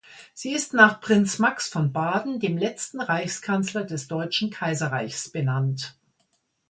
Sie ist nach Prinz Max von Baden, dem letzten Reichskanzler des Deutschen Kaiserreichs benannt.